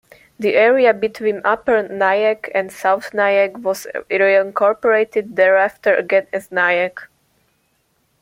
The area between Upper Nyack and South Nyack was reincorporated thereafter, again as Nyack.